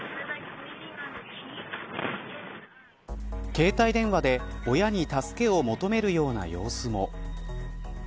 携帯電話で親に助けを求めるような様子も。